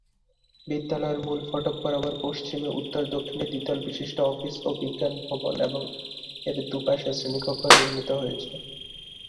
বিদ্যালয়ের মূল ফটক বরাবর পশ্চিমে উত্তর-দক্ষিণে দ্বিতল বিশিষ্ট অফিস ও বিজ্ঞান ভবন এবং এর দুপাশে শ্রেণিকক্ষ নির্মিত হয়েছে।